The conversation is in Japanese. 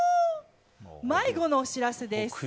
迷子のお知らせです。